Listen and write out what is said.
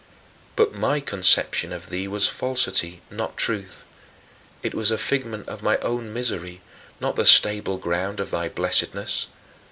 But my conception of thee was falsity, not truth. It was a figment of my own misery, not the stable ground of thy blessedness.